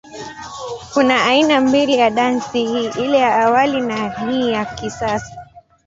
Kuna aina mbili ya dansi hii, ile ya awali na ya hii ya kisasa.